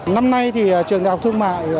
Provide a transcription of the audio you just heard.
năm nay thì trường đại học thu mại